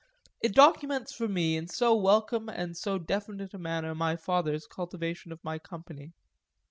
It documents for me in so welcome and so definite a manner my father's cultivation of my company.